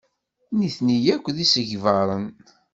Nitni akk d isegbaren.